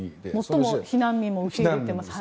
最も避難民も受け入れていますね。